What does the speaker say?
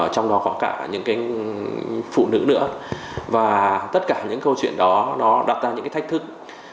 trong đó có cả những phụ nữ nữa và tất cả những câu chuyện đó nó đặt ra những cái thách thức